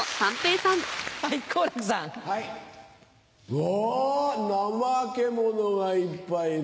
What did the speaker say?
うわナマケモノがいっぱいいる。